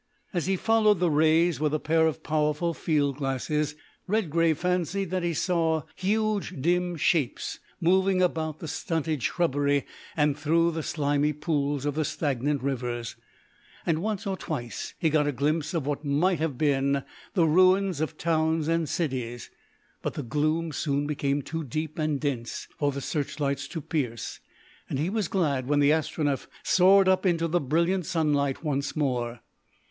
As he followed the rays with a pair of powerful field glasses, Redgrave fancied that he saw huge, dim shapes moving about the stunted shrubbery and through the slimy pools of the stagnant rivers, and once or twice he got a glimpse of what might well have been the ruins of towns and cities, but the gloom soon became too deep and dense for the searchlights to pierce and he was glad when the Astronef soared up into the brilliant sunlight once more.